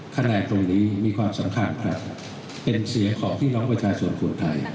คะแนนตรงนี้มีความสำคัญครับเป็นเสียงของพี่น้องประชาชนคนไทย